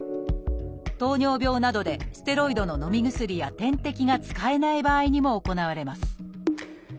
糖尿病などでステロイドののみ薬や点滴が使えない場合にも行われます